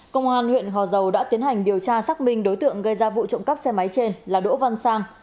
công an huyện gò dầu đã tiến hành điều tra xác minh đối tượng gây ra vụ trộm cắp xe máy trên là đỗ văn sang